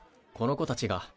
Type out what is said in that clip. この子たちが。